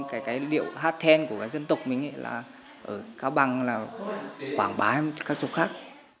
cái cái điệu hát then của cái dân tộc mình ấy là ở cao bằng là quảng bá các chỗ khác